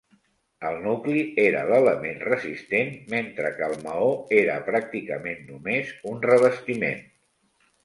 El nucli era l'element resistent, mentre que el maó era pràcticament només un revestiment.